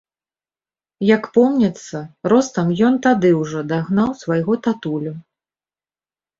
Як помніцца, ростам ён тады ўжо дагнаў свайго татулю.